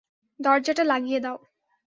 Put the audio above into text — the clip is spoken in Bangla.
দরজাটা লাগিয়ে দাও।